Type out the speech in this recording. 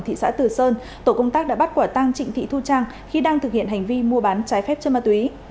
thị xã từ sơn tổ công tác đã bắt quả tăng trịnh thị thu trang khi đang thực hiện hành vi mua bán trái phép chân ma túy